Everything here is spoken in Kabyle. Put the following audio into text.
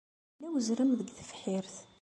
Yella uzrem deg tebḥirt.